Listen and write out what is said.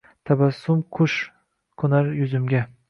Tabassum – qush, qoʼnar yuzimga.